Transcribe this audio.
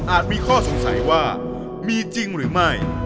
มีข้อสงสัยว่ามีจริงหรือไม่